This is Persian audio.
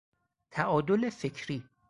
تعادل فکری